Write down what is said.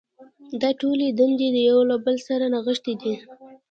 دا ټولې دندې یو له بل سره نغښتې دي.